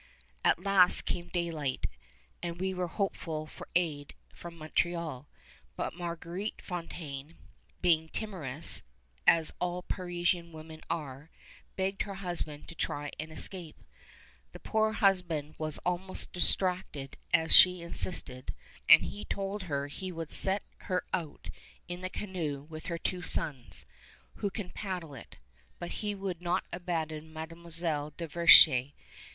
At last came daylight; and we were hopeful for aid from Montreal; but Marguerite Fontaine, being timorous as all Parisian women are, begged her husband to try and escape. The poor husband was almost distracted as she insisted, and he told her he would set her out in the canoe with her two sons, who could paddle it, but he would not abandon Mademoiselle in Verchères.